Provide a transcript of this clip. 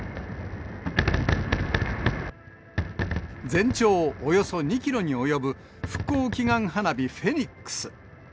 全長およそ２キロに及ぶ復興祈願花火フェニックス。